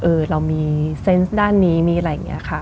เรามีเซนต์ด้านนี้มีอะไรอย่างนี้ค่ะ